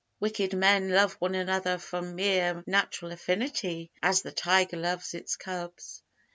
Wicked men love one another from mere natural affinity, as the tiger loves its cubs.